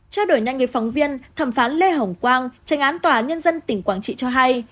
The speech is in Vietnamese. trao đổi nhanh với phóng viên thẩm phán lê hồng quang tranh án tòa nhân dân tỉnh quảng trị cho hay